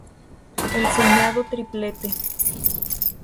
El soñado triplete.